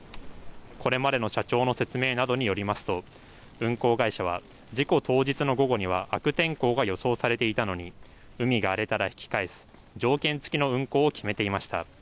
これまでの社長の説明などによりますと運航会社は事故当日の午後には悪天候が予想されていたのに海が荒れたら引き返す条件付きの運航を決めていました。